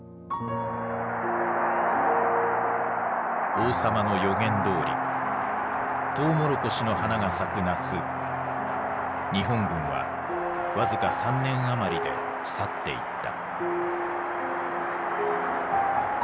王様の予言どおりトウモロコシの花が咲く夏日本軍は僅か３年余りで去っていった。